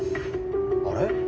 あれ？